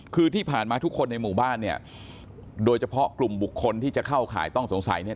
คือที่ผ่านมาทุกคนในหมู่บ้านเนี่ยโดยเฉพาะกลุ่มบุคคลที่จะเข้าข่ายต้องสงสัยเนี่ย